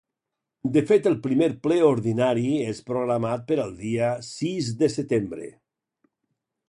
De fet, el primer ple ordinari és programat per al dia sis de setembre.